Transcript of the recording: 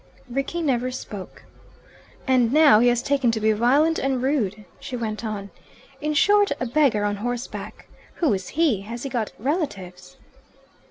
Rickie never spoke. "And now he has taken to be violent and rude," she went on. "In short, a beggar on horseback. Who is he? Has he got relatives?"